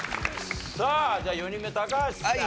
さあじゃあ４人目高橋さん。